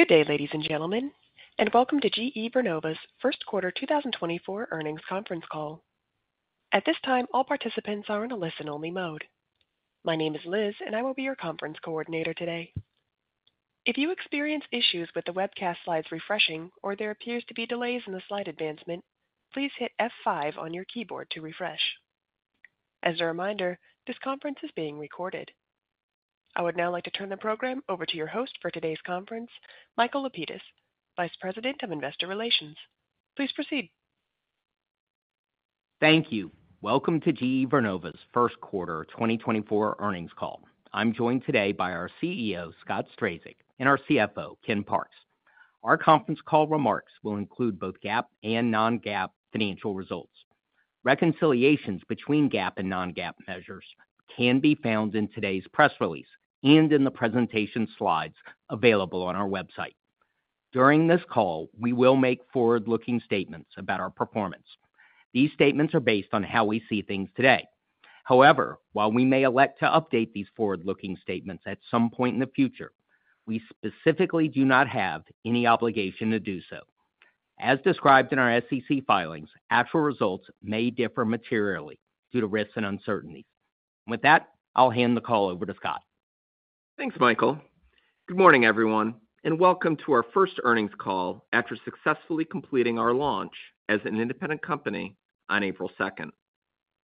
Good day, ladies and gentlemen, and welcome to GE Vernova's First Quarter 2024 Earnings Conference Call. At this time, all participants are in a listen-only mode. My name is Liz, and I will be your conference coordinator today. If you experience issues with the webcast slides refreshing or there appears to be delays in the slide advancement, please hit F5 on your keyboard to refresh. As a reminder, this conference is being recorded. I would now like to turn the program over to your host for today's conference, Michael Lapides, Vice President of Investor Relations. Please proceed. Thank you. Welcome to GE Vernova's First Quarter 2024 Earnings Call. I'm joined today by our CEO, Scott Strazik, and our CFO, Ken Parks. Our conference call remarks will include both GAAP and non-GAAP financial results. Reconciliations between GAAP and non-GAAP measures can be found in today's press release and in the presentation slides available on our website. During this call, we will make forward-looking statements about our performance. These statements are based on how we see things today. However, while we may elect to update these forward-looking statements at some point in the future, we specifically do not have any obligation to do so. As described in our SEC filings, actual results may differ materially due to risks and uncertainties. With that, I'll hand the call over to Scott. Thanks, Michael. Good morning, everyone, and welcome to our first earnings call after successfully completing our launch as an independent company on April 2nd.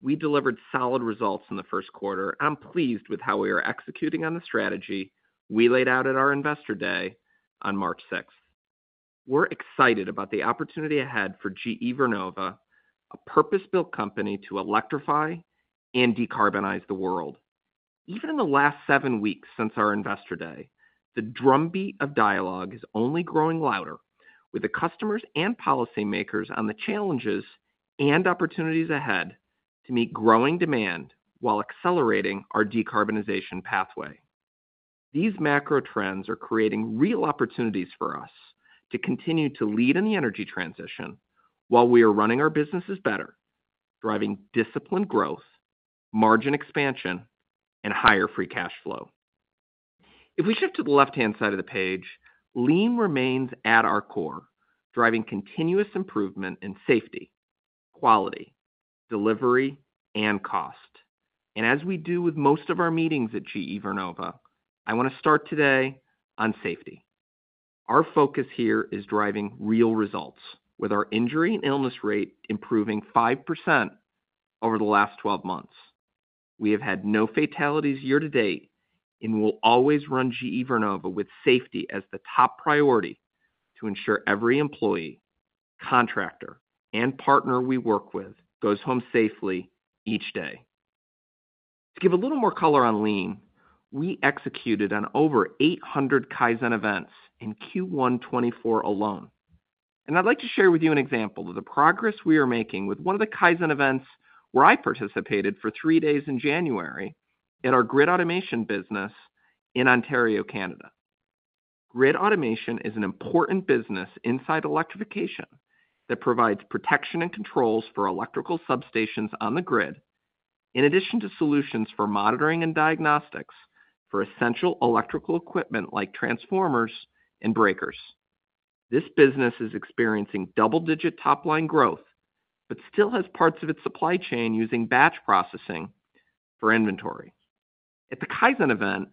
We delivered solid results in the first quarter. I'm pleased with how we are executing on the strategy we laid out at our Investor Day on March 6th. We're excited about the opportunity ahead for GE Vernova, a purpose-built company, to electrify and decarbonize the world. Even in the last 7 weeks since our Investor Day, the drumbeat of dialogue is only growing louder, with the customers and policymakers on the challenges and opportunities ahead to meet growing demand while accelerating our decarbonization pathway. These macro trends are creating real opportunities for us to continue to lead in the energy transition while we are running our businesses better, driving disciplined growth, margin expansion, and higher free cash flow. If we shift to the left-hand side of the page, Lean remains at our core, driving continuous improvement in safety, quality, delivery, and cost. As we do with most of our meetings at GE Vernova, I want to start today on safety. Our focus here is driving real results, with our injury and illness rate improving 5% over the last 12 months. We have had no fatalities year to date and will always run GE Vernova with safety as the top priority to ensure every employee, contractor, and partner we work with goes home safely each day. To give a little more color on Lean, we executed on over 800 Kaizen events in Q1 2024 alone. I'd like to share with you an example of the progress we are making with one of the Kaizen events, where I participated for 3 days in January at our Grid Automation business in Ontario, Canada. Grid Automation is an important business inside electrification that provides protection and controls for electrical substations on the grid, in addition to solutions for monitoring and diagnostics for essential electrical equipment like transformers and breakers. This business is experiencing double-digit top-line growth, but still has parts of its supply chain using batch processing for inventory. At the Kaizen event,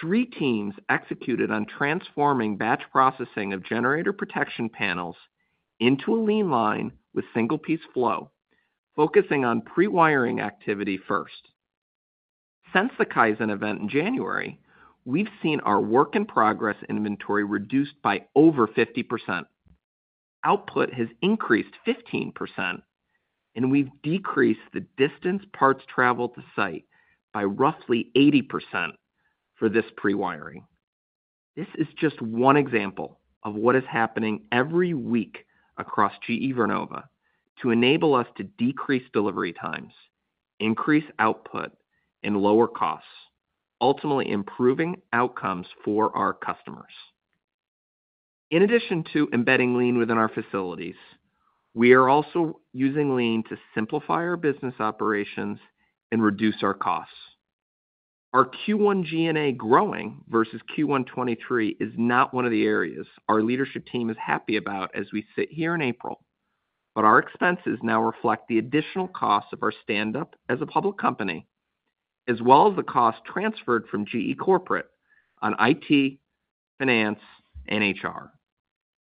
3 teams executed on transforming batch processing of generator protection panels into a lean line with single-piece flow, focusing on pre-wiring activity first. Since the Kaizen event in January, we've seen our work-in-progress inventory reduced by over 50%. Output has increased 15%, and we've decreased the distance parts travel to site by roughly 80% for this pre-wiring. This is just one example of what is happening every week across GE Vernova to enable us to decrease delivery times, increase output, and lower costs, ultimately improving outcomes for our customers. In addition to embedding lean within our facilities, we are also using lean to simplify our business operations and reduce our costs. Our Q1 G&A growing versus Q1 2023 is not one of the areas our leadership team is happy about as we sit here in April, but our expenses now reflect the additional costs of our stand-up as a public company, as well as the cost transferred from GE Corporate on IT, finance, and HR.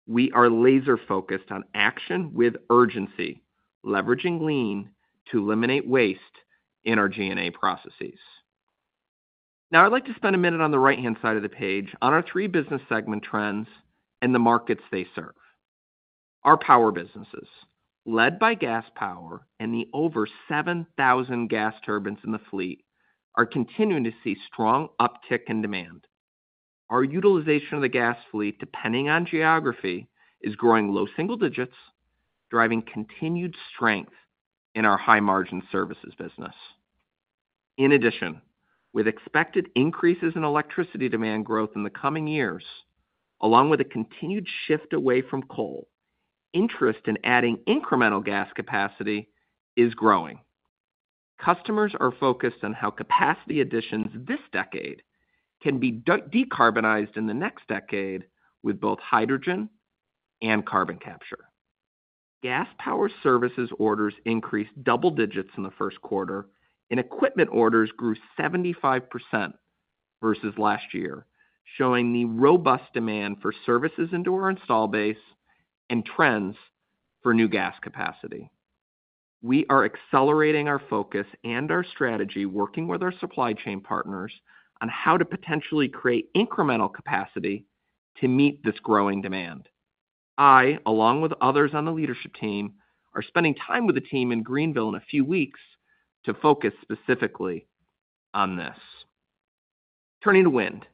We are laser-focused on action with urgency, leveraging lean to eliminate waste in our G&A processes. Now, I'd like to spend a minute on the right-hand side of the page on our three business segment trends and the markets they serve. Our Power businesses, led by Gas Power and the over 7,000 gas turbines in the fleet, are continuing to see strong uptick in demand. Our utilization of the gas fleet, depending on geography, is growing low single digits, driving continued strength in our high-margin services business. In addition, with expected increases in electricity demand growth in the coming years, along with a continued shift away from coal, interest in adding incremental gas capacity is growing. Customers are focused on how capacity additions this decade can be decarbonized in the next decade with both hydrogen and carbon capture. Gas Power services orders increased double digits in the first quarter, and equipment orders grew 75% versus last year, showing the robust demand for services into our installed base and trends for new gas capacity. We are accelerating our focus and our strategy, working with our supply chain partners on how to potentially create incremental capacity to meet this growing demand. I, along with others on the leadership team, are spending time with the team in Greenville in a few weeks to focus specifically on this. Turning to Wind.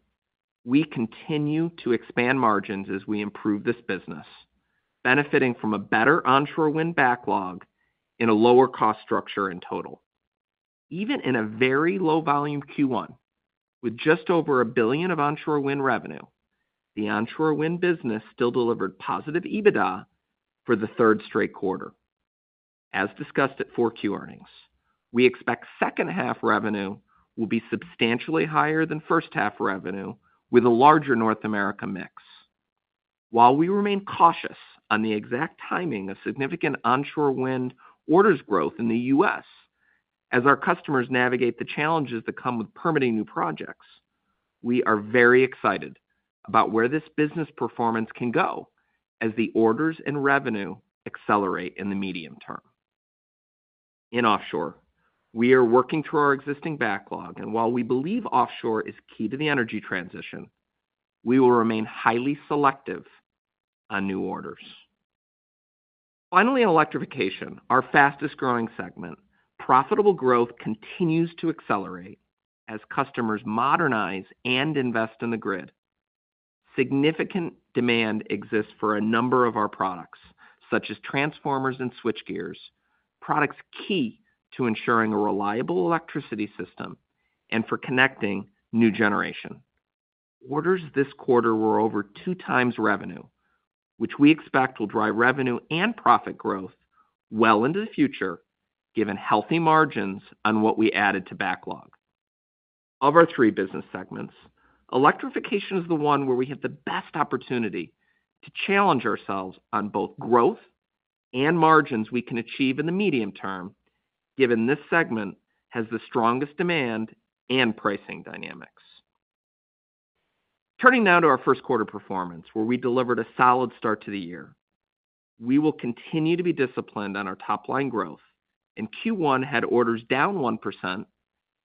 We continue to expand margins as we improve this business, benefiting from a better onshore wind backlog and a lower cost structure in total. Even in a very low volume Q1, with just over $1 billion of Onshore Wind revenue, the Onshore Wind business still delivered positive EBITDA for the third straight quarter. As discussed at Q4 earnings, we expect second half revenue will be substantially higher than first half revenue, with a larger North America mix. While we remain cautious on the exact timing of significant onshore wind orders growth in the U.S., as our customers navigate the challenges that come with permitting new projects, we are very excited about where this business performance can go as the orders and revenue accelerate in the medium term. In Offshore, we are working through our existing backlog, and while we believe Offshore is key to the energy transition, we will remain highly selective on new orders. Finally, in Electrification, our fastest growing segment, profitable growth continues to accelerate as customers modernize and invest in the grid. Significant demand exists for a number of our products, such as transformers and switchgear, products key to ensuring a reliable electricity system and for connecting new generation. Orders this quarter were over 2 times revenue, which we expect will drive revenue and profit growth well into the future, given healthy margins on what we added to backlog. Of our three business segments, Electrification is the one where we have the best opportunity to challenge ourselves on both growth and margins we can achieve in the medium term, given this segment has the strongest demand and pricing dynamics. Turning now to our first quarter performance, where we delivered a solid start to the year. We will continue to be disciplined on our top line growth, and Q1 had orders down 1%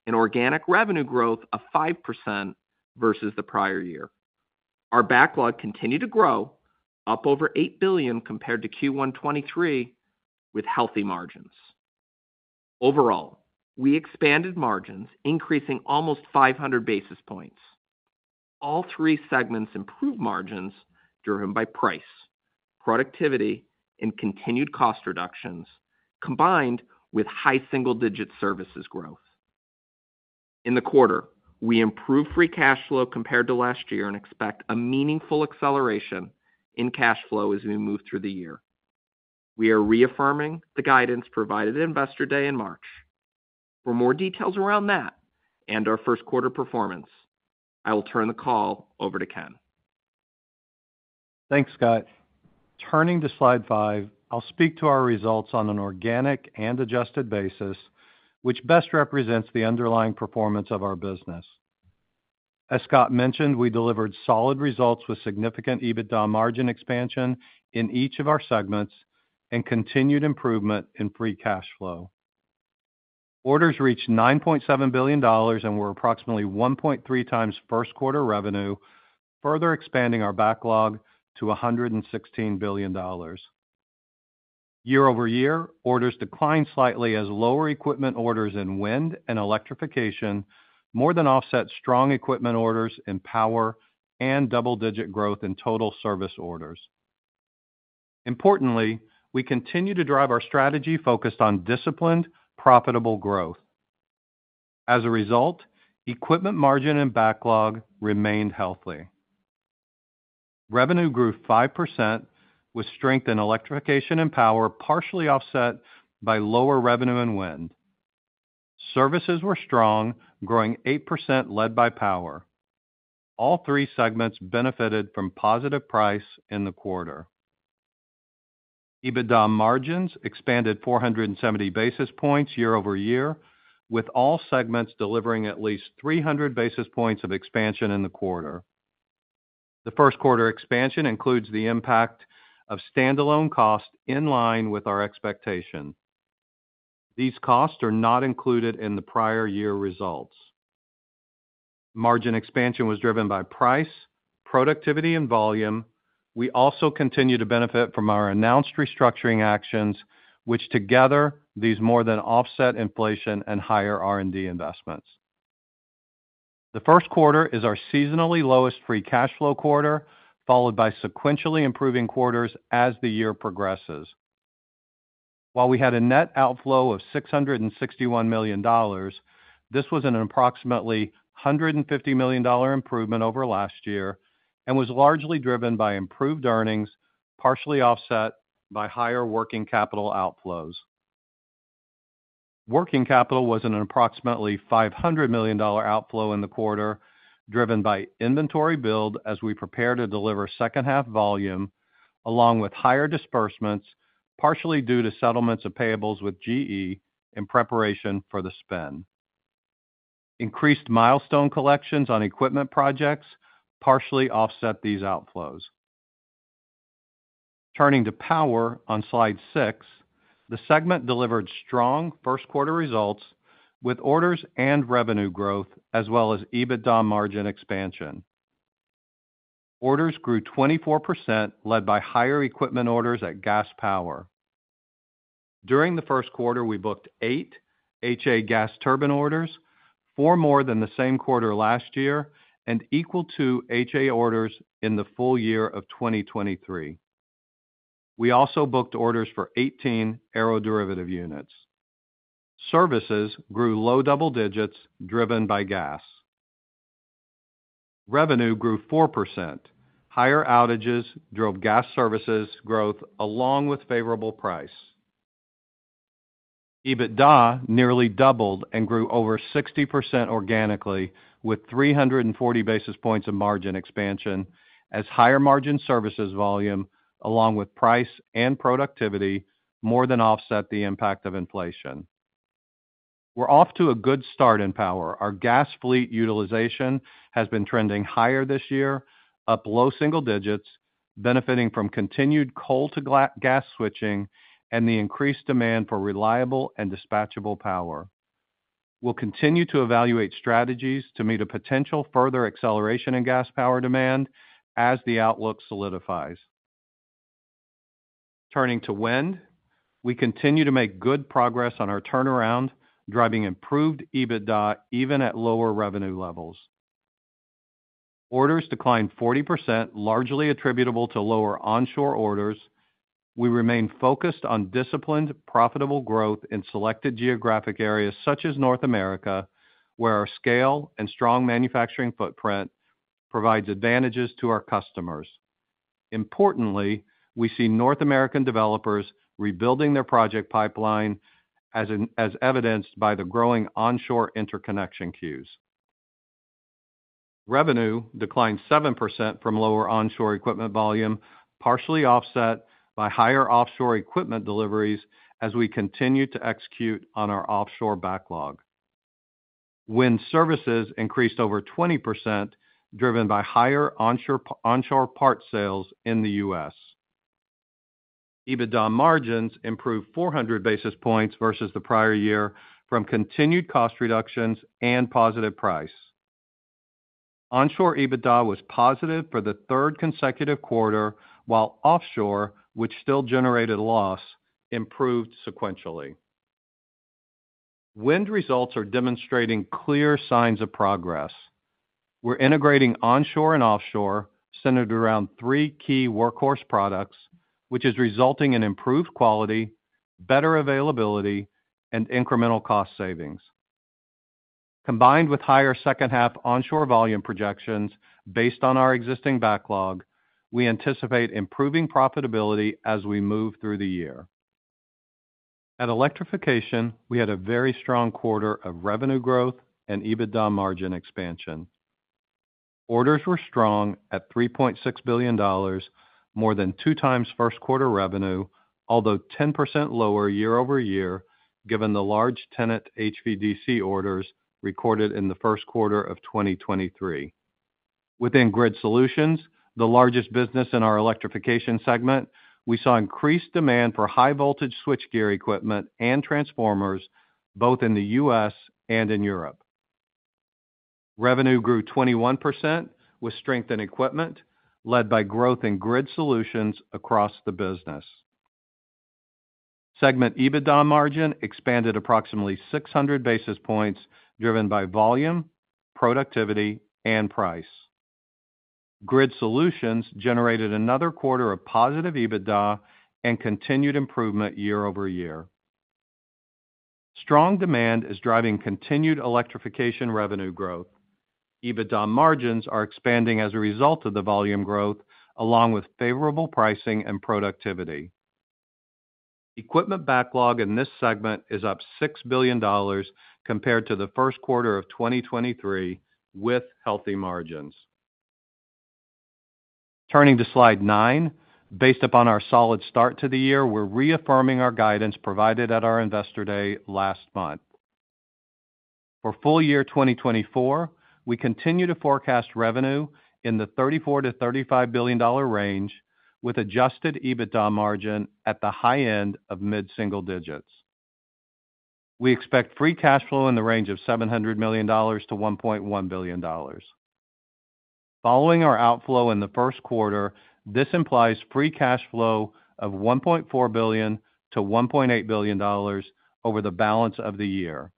and organic revenue growth of 5% versus the prior year. Our backlog continued to grow, up over $8 billion compared to Q1 2023, with healthy margins. Overall, we expanded margins, increasing almost 500 basis points. All three segments improved margins driven by price, productivity, and continued cost reductions, combined with high single-digit services growth. In the quarter, we improved free cash flow compared to last year and expect a meaningful acceleration in cash flow as we move through the year. We are reaffirming the guidance provided at Investor Day in March. For more details around that and our first quarter performance, I will turn the call over to Ken. Thanks, Scott. Turning to Slide 5, I'll speak to our results on an organic and adjusted basis, which best represents the underlying performance of our business. As Scott mentioned, we delivered solid results with significant EBITDA margin expansion in each of our segments and continued improvement in free cash flow. Orders reached $9.7 billion and were approximately 1.3 times first quarter revenue, further expanding our backlog to $116 billion. Year-over-year, orders declined slightly as lower equipment orders in Wind and Electrification more than offset strong equipment orders in Power and double-digit growth in total service orders. Importantly, we continue to drive our strategy focused on disciplined, profitable growth. As a result, equipment margin and backlog remained healthy. Revenue grew 5%, with strength in Electrification and Power, partially offset by lower revenue in Wind. Services were strong, growing 8% led by Power. All three segments benefited from positive price in the quarter. EBITDA margins expanded 470 basis points year-over-year, with all segments delivering at least 300 basis points of expansion in the quarter. The first quarter expansion includes the impact of standalone costs in line with our expectation. These costs are not included in the prior year results. Margin expansion was driven by price, productivity, and volume. We also continue to benefit from our announced restructuring actions, which together, these more than offset inflation and higher R&D investments. The first quarter is our seasonally lowest free cash flow quarter, followed by sequentially improving quarters as the year progresses. While we had a net outflow of $661 million, this was an approximately $150 million improvement over last year and was largely driven by improved earnings, partially offset by higher working capital outflows. Working capital was an approximately $500 million outflow in the quarter, driven by inventory build as we prepare to deliver second half volume, along with higher disbursements, partially due to settlements of payables with GE in preparation for the spin. Increased milestone collections on equipment projects partially offset these outflows. Turning to Power on Slide 6, the segment delivered strong first quarter results with orders and revenue growth, as well as EBITDA margin expansion. Orders grew 24%, led by higher equipment orders at Gas Power. During the first quarter, we booked 8 HA gas turbine orders, 4 more than the same quarter last year, and equal to HA orders in the full year of 2023. We also booked orders for 18 aeroderivative units. Services grew low double digits, driven by gas. Revenue grew 4%. Higher outages drove gas services growth, along with favorable price. EBITDA nearly doubled and grew over 60% organically, with 340 basis points of margin expansion as higher margin services volume, along with price and productivity, more than offset the impact of inflation. We're off to a good start in Power. Our gas fleet utilization has been trending higher this year, up low single digits, benefiting from continued coal to gas switching and the increased demand for reliable and dispatchable power. We'll continue to evaluate strategies to meet a potential further acceleration in Gas Power demand as the outlook solidifies. Turning to Wind, we continue to make good progress on our turnaround, driving improved EBITDA even at lower revenue levels. Orders declined 40%, largely attributable to lower onshore orders. We remain focused on disciplined, profitable growth in selected geographic areas such as North America, where our scale and strong manufacturing footprint provides advantages to our customers. Importantly, we see North American developers rebuilding their project pipeline as evidenced by the growing onshore interconnection queues. Revenue declined 7% from lower onshore equipment volume, partially offset by higher offshore equipment deliveries as we continue to execute on our Offshore backlog. Wind services increased over 20%, driven by higher onshore parts sales in the U.S. EBITDA margins improved 400 basis points versus the prior year from continued cost reductions and positive price. Onshore EBITDA was positive for the third consecutive quarter, while Offshore, which still generated loss, improved sequentially. Wind results are demonstrating clear signs of progress. We're integrating Onshore and Offshore, centered around three key workhorse products, which is resulting in improved quality, better availability, and incremental cost savings. Combined with higher second half onshore volume projections based on our existing backlog, we anticipate improving profitability as we move through the year. At Electrification, we had a very strong quarter of revenue growth and EBITDA margin expansion. Orders were strong at $3.6 billion, more than 2x first-quarter revenue, although 10% lower year-over-year, given the large TenneT HVDC orders recorded in the first quarter of 2023. Within Grid Solutions, the largest business in our Electrification segment, we saw increased demand for high voltage switchgear equipment and transformers, both in the U.S. and in Europe. Revenue grew 21%, with strength in equipment, led by growth in Grid Solutions across the business. Segment EBITDA margin expanded approximately 600 basis points, driven by volume, productivity, and price. Grid Solutions generated another quarter of positive EBITDA and continued improvement year-over-year. Strong demand is driving continued Electrification revenue growth. EBITDA margins are expanding as a result of the volume growth, along with favorable pricing and productivity. Equipment backlog in this segment is up $6 billion compared to the first quarter of 2023, with healthy margins. Turning to Slide 9, based upon our solid start to the year, we're reaffirming our guidance provided at our Investor Day last month. For full year 2024, we continue to forecast revenue in the $34 billion-$35 billion range, with adjusted EBITDA margin at the high end of mid-single digits. We expect free cash flow in the range of $700 million-$1.1 billion. Following our outflow in the first quarter, this implies free cash flow of $1.4 billion-$1.8 billion over the balance of the year,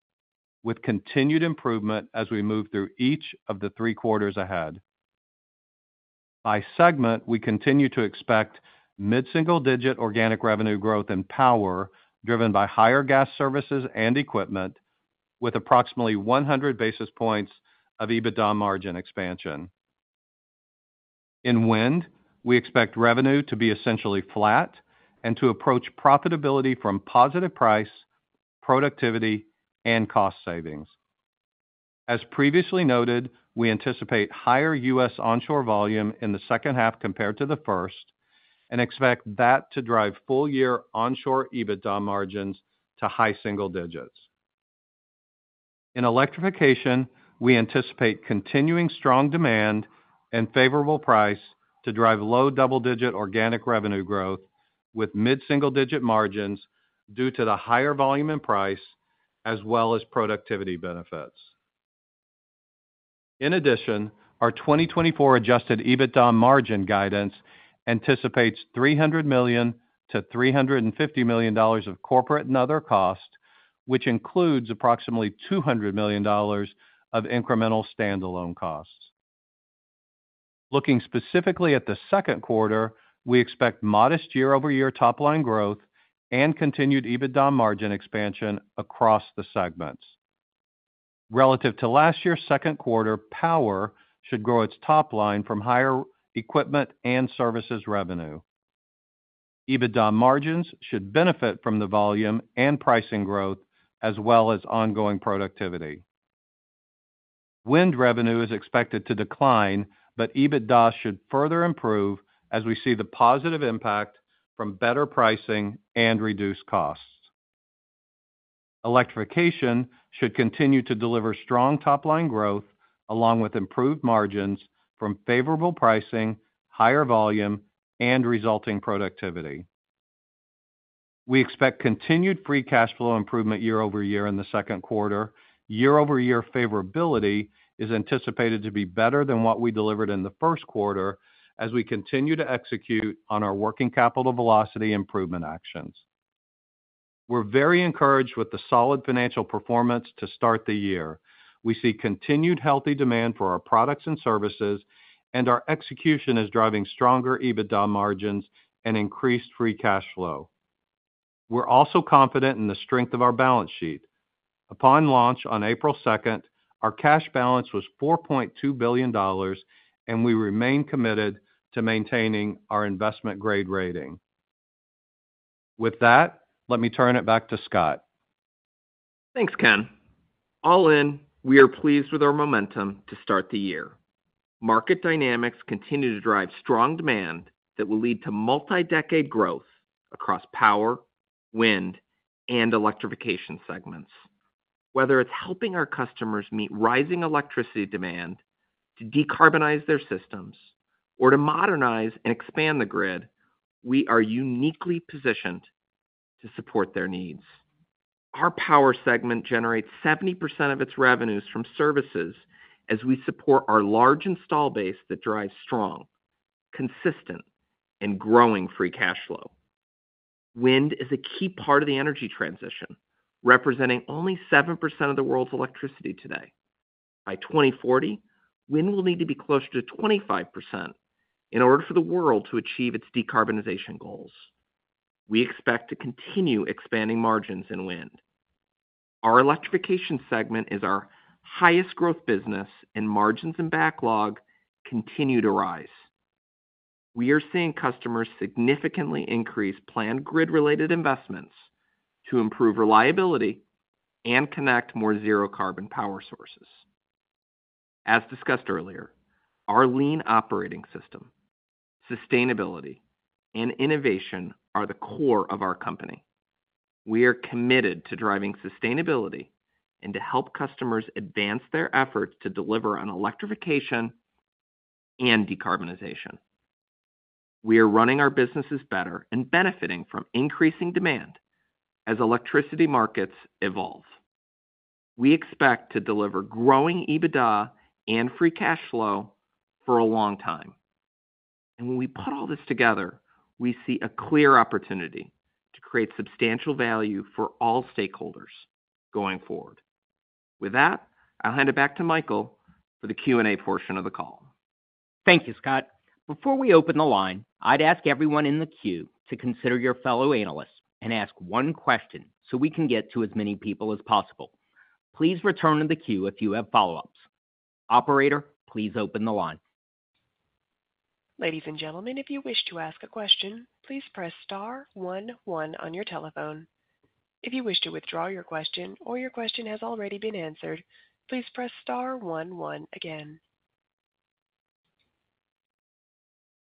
with continued improvement as we move through each of the three quarters ahead. By segment, we continue to expect mid-single-digit organic revenue growth in Power, driven by higher gas services and equipment, with approximately 100 basis points of EBITDA margin expansion. In Wind, we expect revenue to be essentially flat and to approach profitability from positive price, productivity, and cost savings. As previously noted, we anticipate higher U.S. onshore volume in the second half compared to the first, and expect that to drive full-year onshore EBITDA margins to high single digits. In Electrification, we anticipate continuing strong demand and favorable price to drive low double-digit organic revenue growth, with mid-single-digit margins due to the higher volume and price, as well as productivity benefits. In addition, our 2024 adjusted EBITDA margin guidance anticipates $300 million-$350 million of corporate and other costs, which includes approximately $200 million of incremental standalone costs. Looking specifically at the second quarter, we expect modest year-over-year top-line growth and continued EBITDA margin expansion across the segments. Relative to last year's second quarter, Power should grow its top line from higher equipment and services revenue. EBITDA margins should benefit from the volume and pricing growth, as well as ongoing productivity. Wind revenue is expected to decline, but EBITDA should further improve as we see the positive impact from better pricing and reduced costs. Electrification should continue to deliver strong top-line growth, along with improved margins from favorable pricing, higher volume, and resulting productivity. We expect continued free cash flow improvement year over year in the second quarter. Year-over-year favorability is anticipated to be better than what we delivered in the first quarter, as we continue to execute on our working capital velocity improvement actions. We're very encouraged with the solid financial performance to start the year. We see continued healthy demand for our products and services, and our execution is driving stronger EBITDA margins and increased free cash flow. We're also confident in the strength of our balance sheet. Upon launch on April 2, our cash balance was $4.2 billion, and we remain committed to maintaining our investment grade rating. With that, let me turn it back to Scott. Thanks, Ken. All in, we are pleased with our momentum to start the year. Market dynamics continue to drive strong demand that will lead to multi-decade growth across Power, Wind, and Electrification segments. Whether it's helping our customers meet rising electricity demand, to decarbonize their systems, or to modernize and expand the grid, we are uniquely positioned to support their needs. Our Power segment generates 70% of its revenues from services as we support our large install base that drives strong, consistent, and growing free cash flow. Wind is a key part of the energy transition, representing only 7% of the world's electricity today. By 2040, Wind will need to be closer to 25% in order for the world to achieve its decarbonization goals. We expect to continue expanding margins in Wind. Our Electrification segment is our highest growth business, and margins and backlog continue to rise. We are seeing customers significantly increase planned grid-related investments to improve reliability and connect more zero-carbon power sources. As discussed earlier, our Lean Operating System, sustainability, and innovation are the core of our company. We are committed to driving sustainability and to help customers advance their efforts to deliver on electrification and decarbonization. We are running our businesses better and benefiting from increasing demand as electricity markets evolve. We expect to deliver growing EBITDA and free cash flow for a long time. And when we put all this together, we see a clear opportunity to create substantial value for all stakeholders going forward. With that, I'll hand it back to Michael for the Q&A portion of the call. Thank you, Scott. Before we open the line, I'd ask everyone in the queue to consider your fellow analysts and ask one question, so we can get to as many people as possible. Please return to the queue if you have follow-ups. Operator, please open the line. Ladies and gentlemen, if you wish to ask a question, please press star one, one on your telephone. If you wish to withdraw your question or your question has already been answered, please press star one, one again.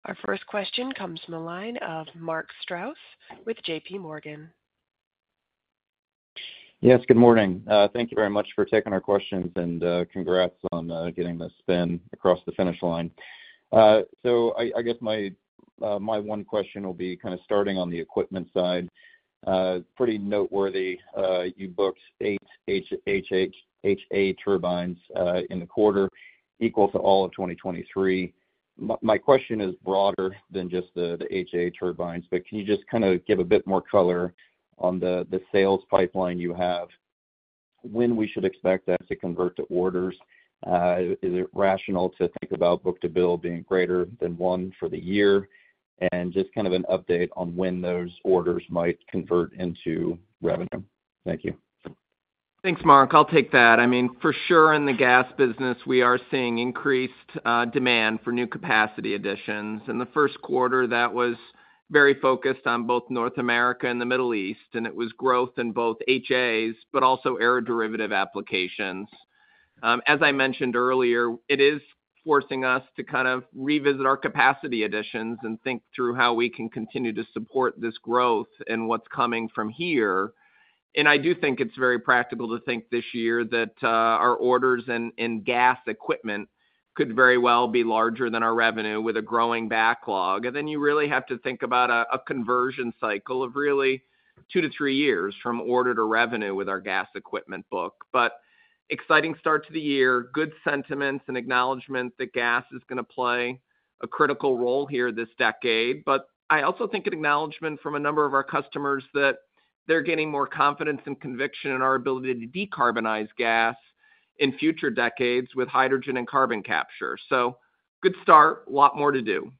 Our first question comes from the line of Mark Strouse with JP Morgan. Yes, good morning. Thank you very much for taking our questions, and congrats on getting the spin across the finish line. So I guess my, my one question will be kind of starting on the equipment side. Pretty noteworthy, you booked 8 HA turbines in the quarter, equal to all of 2023. My question is broader than just the HA turbines, but can you just kind of give a bit more color on the sales pipeline you have? When we should expect that to convert to orders? Is it rational to think about book-to-bill being greater than 1 for the year? And just kind of an update on when those orders might convert into revenue. Thank you. Thanks, Mark. I'll take that. I mean, for sure, in the gas business, we are seeing increased demand for new capacity additions. In the first quarter, that was very focused on both North America and the Middle East, and it was growth in both HAs, but also aeroderivative applications. As I mentioned earlier, it is forcing us to kind of revisit our capacity additions and think through how we can continue to support this growth and what's coming from here. And I do think it's very practical to think this year that our orders in gas equipment could very well be larger than our revenue with a growing backlog. And then you really have to think about a conversion cycle of really 2-3 years from order to revenue with our gas equipment book. But exciting start to the year, good sentiments and acknowledgment that gas is going to play a critical role here this decade. I also think an acknowledgment from a number of our customers that they're getting more confidence and conviction in our ability to decarbonize gas in future decades with hydrogen and carbon capture. So good start, a lot more to do.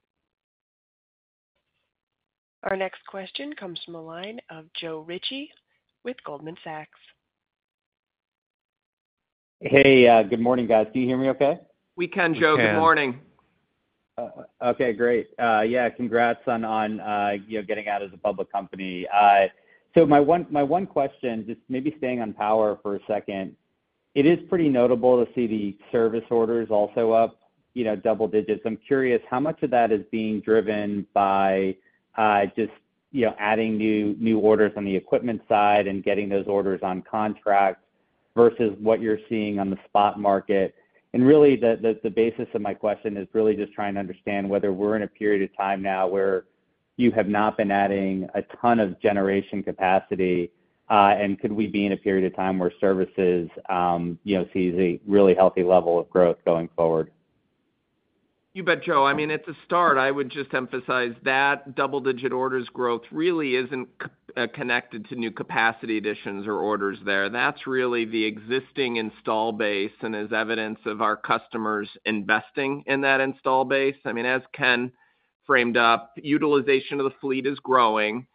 Our next question comes from the line of Joe Ritchie with Goldman Sachs. Hey, good morning, guys. Can you hear me okay? We can, Joe. Good morning. Okay, great. Yeah, congrats on, on, you know, getting out as a public company. So my, my one question, just maybe staying on Power for a second, it is pretty notable to see the service orders also up, you know, double digits. I'm curious, how much of that is being driven by, just, you know, adding new orders on the equipment side and getting those orders on contract versus what you're seeing on the spot market? And really, the basis of my question is really just trying to understand whether we're in a period of time now where you have not been adding a ton of generation capacity, and could we be in a period of time where services, you know, sees a really healthy level of growth going forward? You bet, Joe. I mean, it's a start. I would just emphasize that double-digit orders growth really isn't connected to new capacity additions or orders there. That's really the existing install base and is evidence of our customers investing in that install base. I mean, as Ken framed up, utilization of the fleet is growing.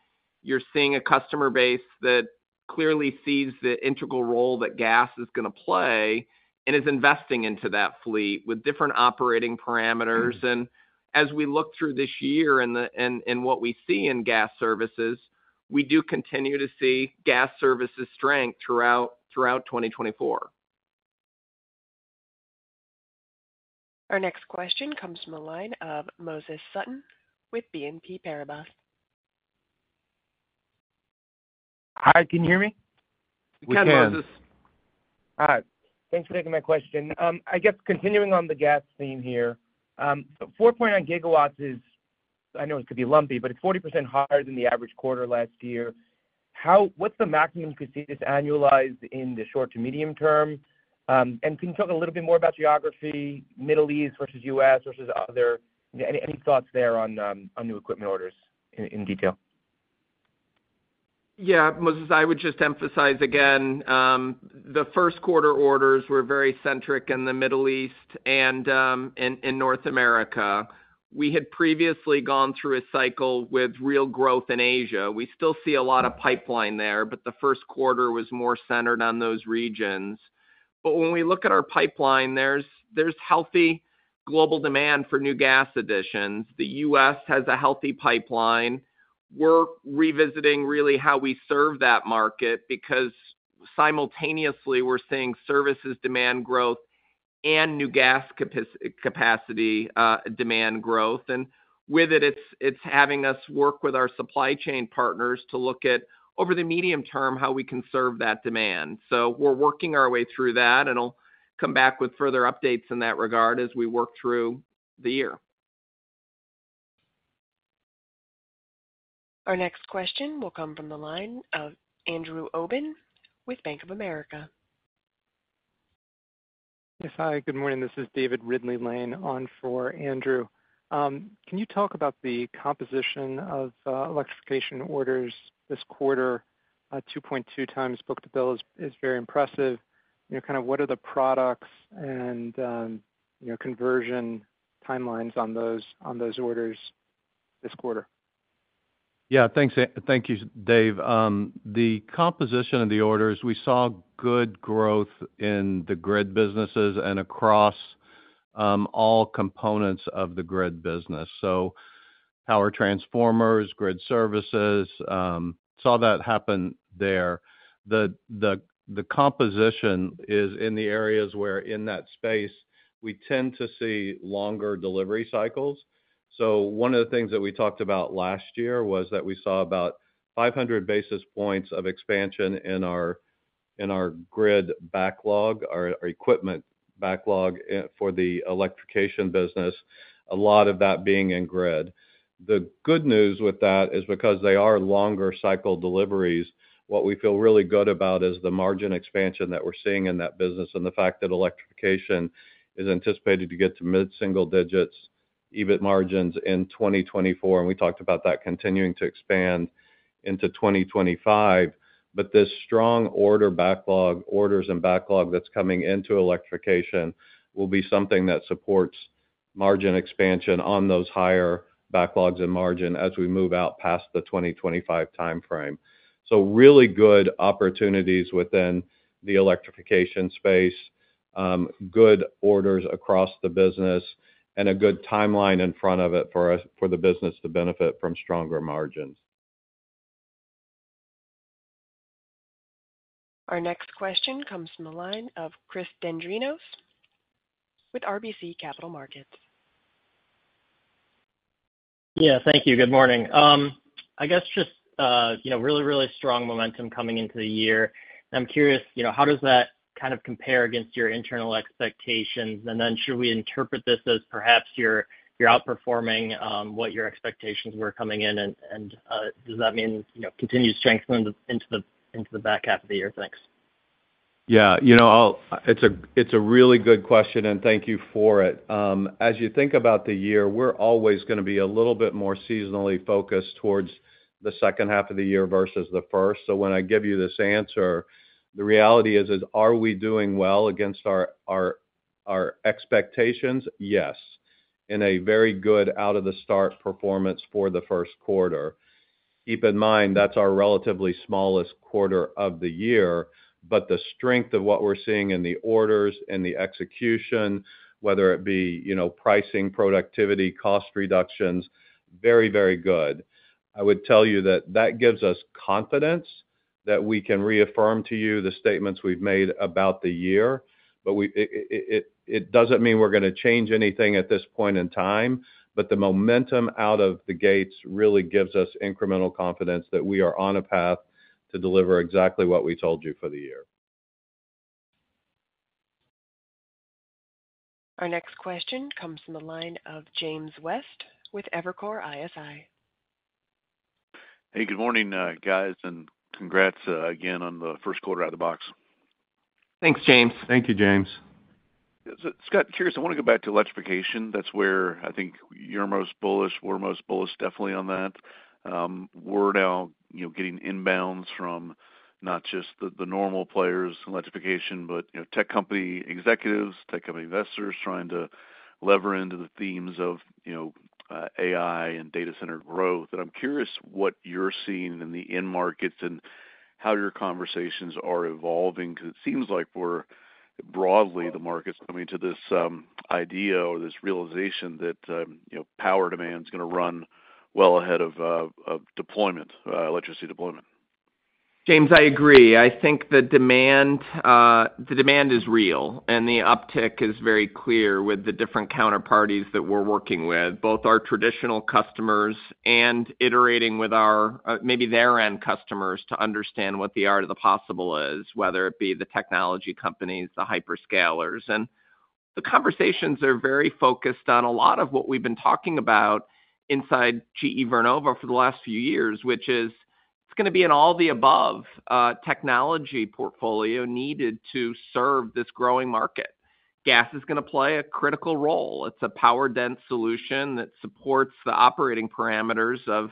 You're seeing a customer base that clearly sees the integral role that gas is going to play and is investing into that fleet with different operating parameters. And as we look through this year and the- and, and what we see in gas services, we do continue to see gas services strength throughout, throughout 2024. Our next question comes from the line of Moses Sutton with BNP Paribas. Hi, can you hear me? We can, Moses. All right. Thanks for taking my question. I guess continuing on the gas theme here, 4.9 gigawatts is, I know it could be lumpy, but it's 40% higher than the average quarter last year. What's the maximum you could see this annualized in the short to medium term? And can you talk a little bit more about geography, Middle East versus U.S., versus are there any thoughts there on new equipment orders in detail? Yeah, Moses, I would just emphasize again, the first quarter orders were very centered in the Middle East and, and in North America. We had previously gone through a cycle with real growth in Asia. We still see a lot of pipeline there, but the first quarter was more centered on those regions. But when we look at our pipeline, there's healthy global demand for new gas additions. The U.S. has a healthy pipeline. We're revisiting really how we serve that market, because simultaneously, we're seeing services demand growth and new gas capacity demand growth. And with it, it's having us work with our supply chain partners to look at, over the medium term, how we can serve that demand. So we're working our way through that, and I'll come back with further updates in that regard as we work through the year. Our next question will come from the line of Andrew Obin with Bank of America. Yes, hi, good morning. This is David Ridley-Lane on for Andrew. Can you talk about the composition of electrification orders this quarter? 2.2 times book-to-bill is very impressive. You know, kind of what are the products and, you know, conversion timelines on those, on those orders this quarter? Yeah, thanks. Thank you, Dave. The composition of the orders, we saw good growth in the grid businesses and across all components of the grid business. So power transformers, grid services, saw that happen there. The composition is in the areas where in that space, we tend to see longer delivery cycles. So one of the things that we talked about last year was that we saw about 500 basis points of expansion in our, in our grid backlog, our equipment backlog, for the Electrification business, a lot of that being in grid. The good news with that is because they are longer cycle deliveries, what we feel really good about is the margin expansion that we're seeing in that business and the fact that electrification is anticipated to get to mid-single digits EBIT margins in 2024, and we talked about that continuing to expand into 2025. But this strong order backlog, orders and backlog that's coming into Electrification will be something that supports margin expansion on those higher backlogs and margin as we move out past the 2025 time frame. So really good opportunities within the Electrification space, good orders across the business, and a good timeline in front of it for us, for the business to benefit from stronger margins. Our next question comes from the line of Chris Dendrinos with RBC Capital Markets. Yeah, thank you. Good morning. I guess just, you know, really, really strong momentum coming into the year. I'm curious, you know, how does that kind of compare against your internal expectations? And then should we interpret this as perhaps you're, you're outperforming, what your expectations were coming in, and, does that mean, you know, continued strength into the, into the back half of the year? Thanks. Yeah, you know, I'll—it's a, it's a really good question, and thank you for it. As you think about the year, we're always going to be a little bit more seasonally focused towards the second half of the year versus the first. So when I give you this answer, the reality is are we doing well against our, our expectations? Yes, in a very good out of the start performance for the first quarter. Keep in mind, that's our relatively smallest quarter of the year, but the strength of what we're seeing in the orders and the execution, whether it be, you know, pricing, productivity, cost reductions, very, very good. I would tell you that that gives us confidence that we can reaffirm to you the statements we've made about the year, but it doesn't mean we're going to change anything at this point in time, but the momentum out of the gates really gives us incremental confidence that we are on a path to deliver exactly what we told you for the year. Our next question comes from the line of James West with Evercore ISI. Hey, good morning, guys, and congrats, again, on the first quarter out of the box. Thanks, James. Thank you, James. So Scott, curious, I want to go back to Electrification. That's where I think you're most bullish, we're most bullish, definitely on that. We're now, you know, getting inbounds from not just the normal players in Electrification, but, you know, tech company executives, tech company investors trying to lever into the themes of, you know, AI and data center growth. And I'm curious what you're seeing in the end markets and how your conversations are evolving, because it seems like we're, broadly, the market's coming to this idea or this realization that, you know, power demand is going to run well ahead of deployment, electricity deployment. James, I agree. I think the demand, the demand is real, and the uptick is very clear with the different counterparties that we're working with, both our traditional customers and iterating with our, maybe their end customers to understand what the art of the possible is, whether it be the technology companies, the hyperscalers. And the conversations are very focused on a lot of what we've been talking about inside GE Vernova for the last few years, which is it's going to be an all-of-the-above, technology portfolio needed to serve this growing market. Gas is going to play a critical role. It's a power-dense solution that supports the operating parameters of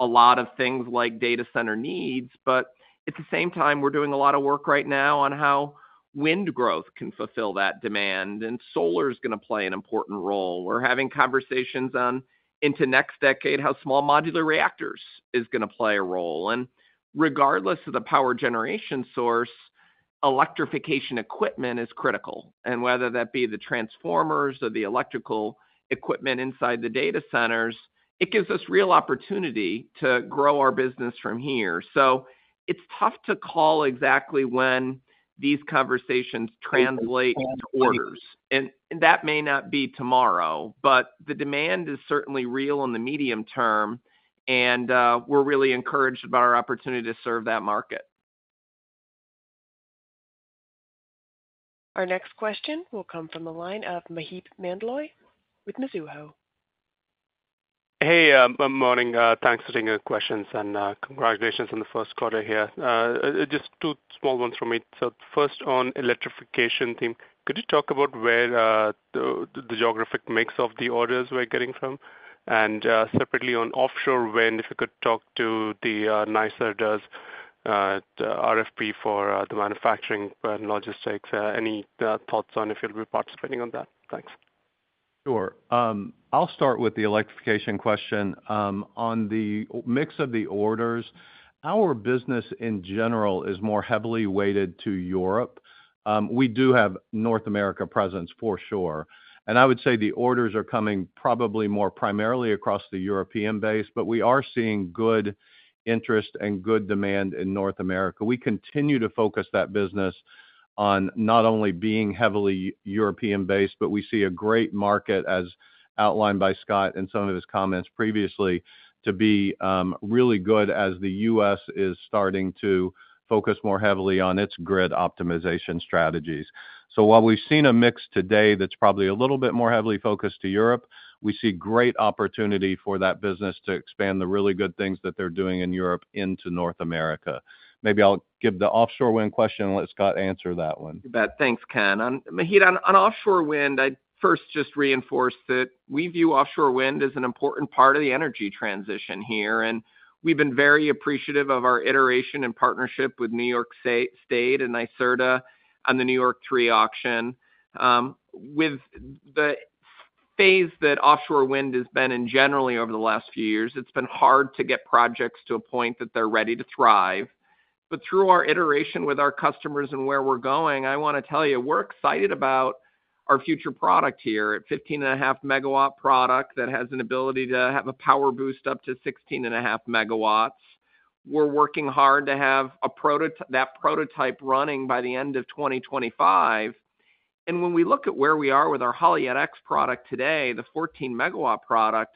a lot of things like data center needs. But at the same time, we're doing a lot of work right now on how Wind growth can fulfill that demand, and solar is going to play an important role. We're having conversations on, into next decade, how small modular reactors is going to play a role. Regardless of the Power generation source, electrification equipment is critical. And whether that be the transformers or the electrical equipment inside the data centers, it gives us real opportunity to grow our business from here. So it's tough to call exactly when these conversations translate into orders, and that may not be tomorrow, but the demand is certainly real in the medium term, and we're really encouraged about our opportunity to serve that market. Our next question will come from the line of Maheep Mandloi with Mizuho. Hey, good morning. Thanks for taking the questions, and congratulations on the first quarter here. Just two small ones from me. So first, on Electrification theme, could you talk about where the geographic mix of the orders were getting from? And separately on Offshore Wind, if you could talk to the NYSERDA's RFP for the manufacturing and logistics. Any thoughts on if you'll be participating on that? Thanks. Sure. I'll start with the Electrification question. On the mix of the orders, our business in general is more heavily weighted to Europe. We do have North America presence for sure, and I would say the orders are coming probably more primarily across the European base, but we are seeing good interest and good demand in North America. We continue to focus that business on not only being heavily European-based, but we see a great market, as outlined by Scott in some of his comments previously, to be really good as the U.S. is starting to focus more heavily on its grid optimization strategies. So while we've seen a mix today that's probably a little bit more heavily focused to Europe, we see great opportunity for that business to expand the really good things that they're doing in Europe into North America. Maybe I'll give the Offshore Wind question and let Scott answer that one. You bet. Thanks, Ken. Maheep, on Offshore Wind, I'd first just reinforce that we view Offshore Wind as an important part of the energy transition here, and we've been very appreciative of our iteration and partnership with New York State and NYSERDA on the New York 3 auction. With the phase that Offshore Wind has been in generally over the last few years. It's been hard to get projects to a point that they're ready to thrive. But through our iteration with our customers and where we're going, I want to tell you, we're excited about our future product here at 15.5-megawatt product that has an ability to have a power boost up to 16.5 megawatts. We're working hard to have that prototype running by the end of 2025. And when we look at where we are with our Haliade-X product today, the 14-megawatt product,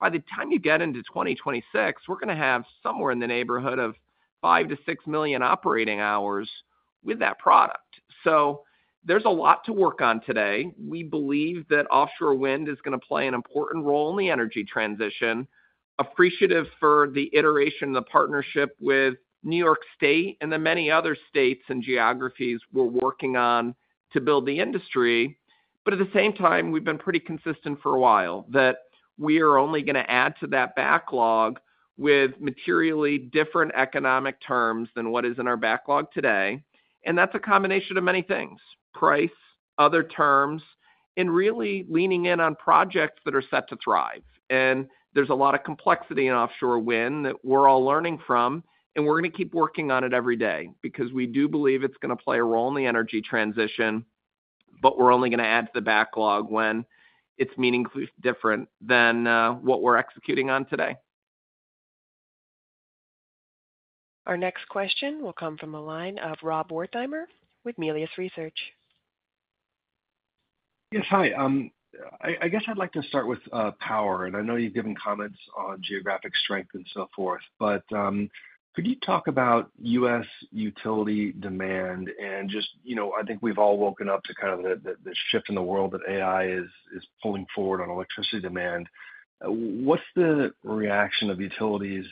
by the time you get into 2026, we're going to have somewhere in the neighborhood of 5-6 million operating hours with that product. So there's a lot to work on today. We believe that Offshore Wind is going to play an important role in the energy transition, appreciative for the iteration, the partnership with New York State and the many other states and geographies we're working on to build the industry. But at the same time, we've been pretty consistent for a while, that we are only going to add to that backlog with materially different economic terms than what is in our backlog today. And that's a combination of many things: price, other terms, and really leaning in on projects that are set to thrive. And there's a lot of complexity in Offshore Wind that we're all learning from, and we're going to keep working on it every day because we do believe it's going to play a role in the energy transition, but we're only going to add to the backlog when it's meaningfully different than what we're executing on today. Our next question will come from the line of Rob Wertheimer with Melius Research. Yes, hi. I guess I'd like to start with Power, and I know you've given comments on geographic strength and so forth, but could you talk about U.S. utility demand? And just, you know, I think we've all woken up to kind of the shift in the world that AI is pulling forward on electricity demand. What's the reaction of utilities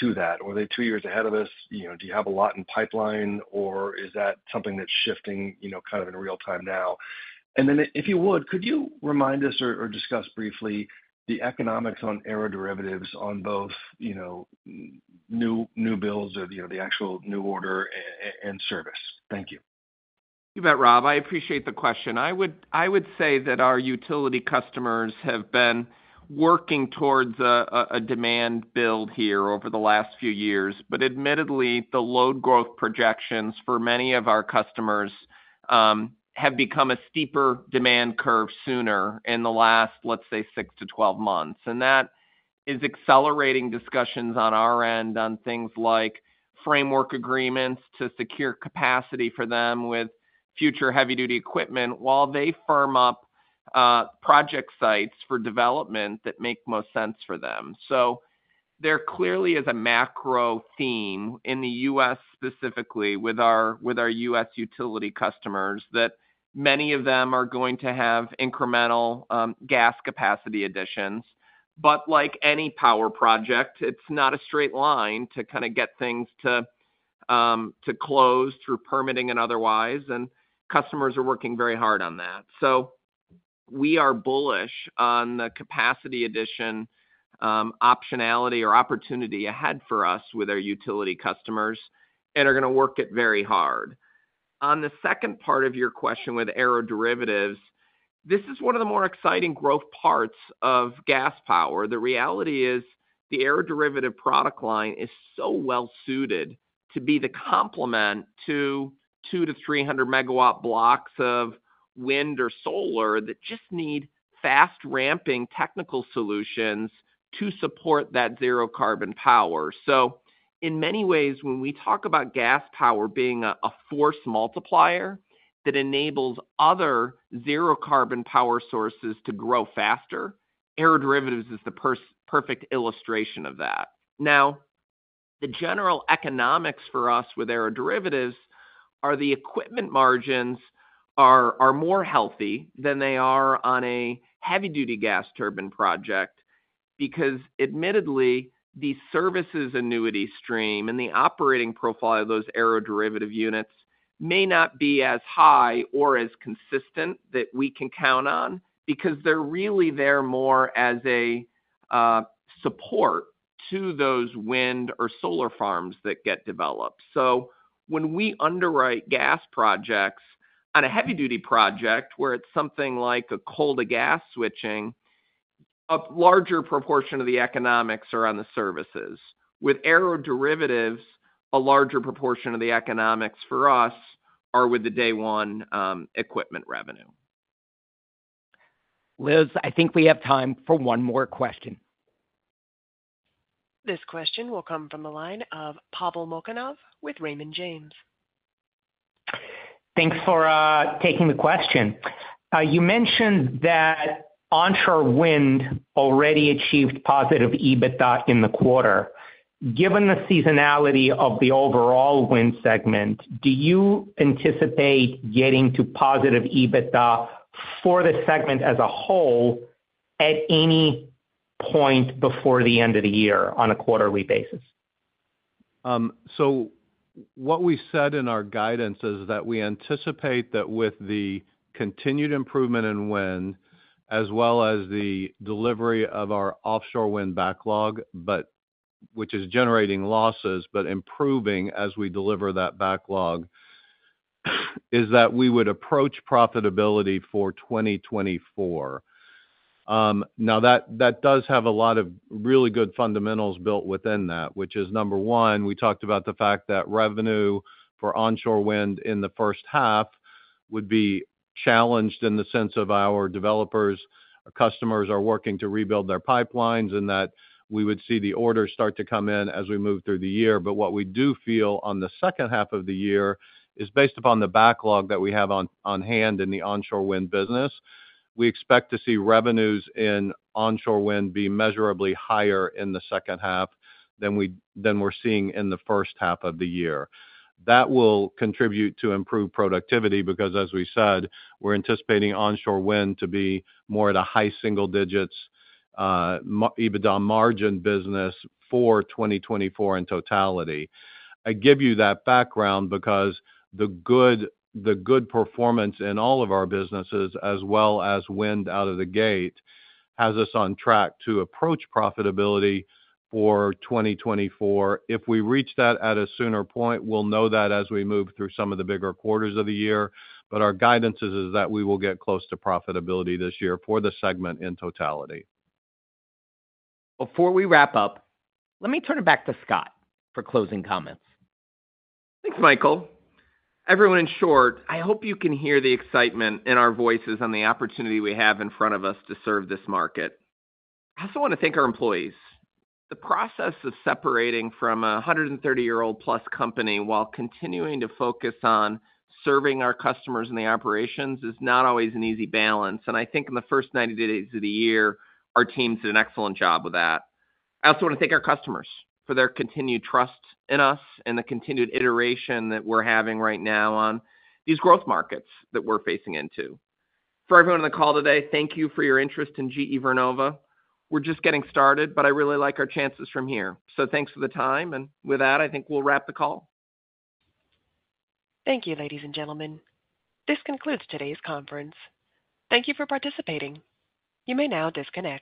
to that? Or are they two years ahead of us? You know, do you have a lot in pipeline, or is that something that's shifting, you know, kind of in real time now? And then, if you would, could you remind us or discuss briefly the economics on aeroderivatives on both, you know, new builds or, you know, the actual new order and service? Thank you. You bet, Rob. I appreciate the question. I would, I would say that our utility customers have been working towards a demand build here over the last few years. But admittedly, the load growth projections for many of our customers have become a steeper demand curve sooner in the last, let's say, six to 12 months. And that is accelerating discussions on our end on things like framework agreements to secure capacity for them with future heavy-duty equipment while they firm up project sites for development that make most sense for them. So there clearly is a macro theme in the U.S., specifically with our, with our U.S. utility customers, that many of them are going to have incremental gas capacity additions. But like any Power project, it's not a straight line to kind of get things to close through permitting and otherwise, and customers are working very hard on that. So we are bullish on the capacity addition, optionality or opportunity ahead for us with our utility customers and are going to work it very hard. On the second part of your question with aeroderivatives, this is one of the more exciting growth parts of Gas Power. The reality is the aeroderivative product line is so well suited to be the complement to 200-300 MW blocks of wind or solar that just need fast-ramping technical solutions to support that zero-carbon power. So in many ways, when we talk about Gas Power being a force multiplier that enables other zero-carbon power sources to grow faster, aeroderivatives is the perfect illustration of that. Now, the general economics for us with aeroderivatives are the equipment margins are more healthy than they are on a heavy-duty gas turbine project. Because admittedly, the services annuity stream and the operating profile of those aeroderivative units may not be as high or as consistent that we can count on because they're really there more as a support to those wind or solar farms that get developed. So when we underwrite gas projects on a heavy-duty project, where it's something like a coal to gas switching, a larger proportion of the economics are on the services. With aeroderivatives, a larger proportion of the economics for us are with the day one equipment revenue. Liz, I think we have time for one more question. This question will come from the line of Pavel Molchanov with Raymond James. Thanks for taking the question. You mentioned that Onshore Wind already achieved positive EBITDA in the quarter. Given the seasonality of the Overall Wind segment, do you anticipate getting to positive EBITDA for the segment as a whole at any point before the end of the year on a quarterly basis? So what we said in our guidance is that we anticipate that with the continued improvement in wind, as well as the delivery of our Offshore Wind backlog, but which is generating losses, but improving as we deliver that backlog. Is that we would approach profitability for 2024. Now that does have a lot of really good fundamentals built within that, which is, number one, we talked about the fact that revenue for Onshore Wind in the first half would be challenged in the sense of our developers, our customers are working to rebuild their pipelines, and that we would see the orders start to come in as we move through the year. But what we do feel on the second half of the year is based upon the backlog that we have on hand in the Onshore Wind business. We expect to see revenues in Onshore Wind be measurably higher in the second half than we're, than we're seeing in the first half of the year. That will contribute to improved productivity, because, as we said, we're anticipating Onshore Wind to be more at a high single digits, more EBITDA margin business for 2024 in totality. I give you that background because the good, the good performance in all of our businesses, as well as Wind out of the gate, has us on track to approach profitability for 2024. If we reach that at a sooner point, we'll know that as we move through some of the bigger quarters of the year. But our guidance is that we will get close to profitability this year for the segment in totality. Before we wrap up, let me turn it back to Scott for closing comments. Thanks, Michael. Everyone, in short, I hope you can hear the excitement in our voices on the opportunity we have in front of us to serve this market. I also want to thank our employees. The process of separating from a 130-year-old plus company while continuing to focus on serving our customers in the operations, is not always an easy balance, and I think in the first 90 days of the year, our team did an excellent job with that. I also want to thank our customers for their continued trust in us and the continued iteration that we're having right now on these growth markets that we're facing into. For everyone on the call today, thank you for your interest in GE Vernova. We're just getting started, but I really like our chances from here. So thanks for the time, and with that, I think we'll wrap the call. Thank you, ladies and gentlemen. This concludes today's conference. Thank you for participating. You may now disconnect.